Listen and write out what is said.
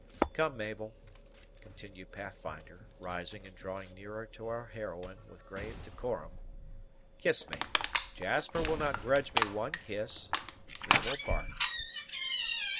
Come, Mabel," continued Pathfinder, rising and drawing nearer to our heroine, with grave decorum, "kiss me; Jasper will not grudge me one kiss; then we'll part."